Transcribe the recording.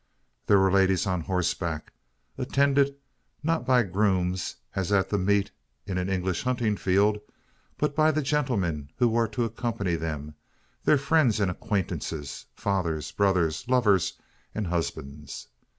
There were ladies on horseback; attended, not by grooms, as at the "meet" in an English hunting field, but by the gentlemen who were to accompany them their friends and acquaintances fathers, brothers, lovers, and husbands.